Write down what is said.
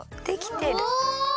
できてる！